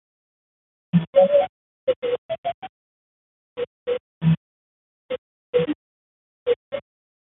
Konklabea hasteko data kardinale boto-emaile guztiak heltzen direnean finkatuko dute.